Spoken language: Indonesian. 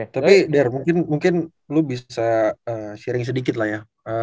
tapi der mungkin lu bisa sharing sedikit lah ya